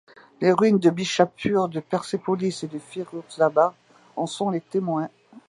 Les ruines de Bishapur, de Persépolis et de Firuzabad en sont les témoins.